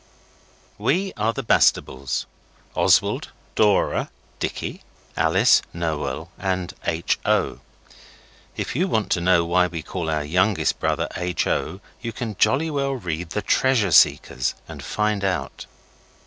We are the Bastables Oswald, Dora, Dicky, Alice, Noel, and H. O. If you want to know why we call our youngest brother H. O. you can jolly well read The Treasure Seekers and find out.